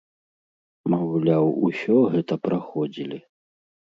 Маўляў, усё гэта праходзілі.